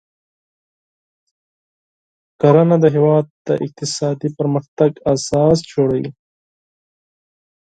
کرنه د هیواد د اقتصادي پرمختګ اساس جوړوي.